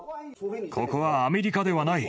ここはアメリカではない。